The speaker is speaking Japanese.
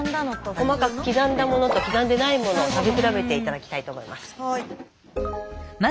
細かく刻んだものと刻んでないものを食べ比べて頂きたいと思います。